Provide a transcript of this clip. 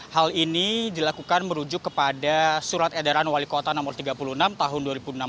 hal ini dilakukan merujuk kepada surat edaran wali kota no tiga puluh enam tahun dua ribu enam belas